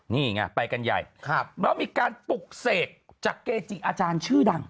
นี่ไงไปกันใหญ่แล้วมีการปลุกเสกจากเกจิอาจารย์ชื่อดัง